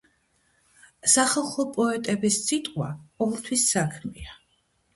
სახალხო პოეტების სიტყვა ყოველთვის საქმეა.